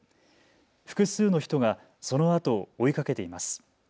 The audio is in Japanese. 複数の人がそのあとを追いかけています。